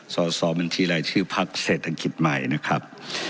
สอบบัญชีรายชื่อพักเศรษฐกิจใหม่นะครับ